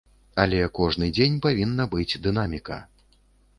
Але кожны дзень павінна быць дынаміка.